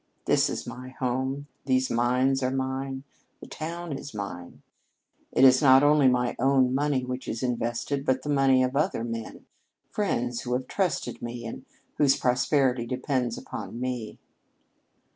This is my home, these mines are mine, the town is mine. It is not only my own money which is invested, but the money of other men friends who have trusted me and whose prosperity depends upon me."